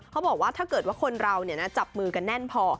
เขาบอกว่าถ้าเกิดว่าคนเราจับมือกันแน่นพอ